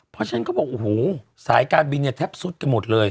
เพราะฉะนั้นเขาบอกโอ้โหสายการบินเนี่ยแทบสุดกันหมดเลย